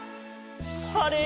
「あれ？